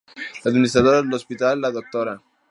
La administradora del hospital, la Dra.